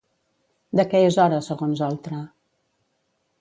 De què és hora, segons Oltra?